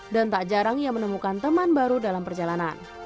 dan tak jarang ia menemukan teman baru dalam perjalanan